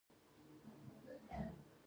علم د سولې او تفاهم لار پرانیزي.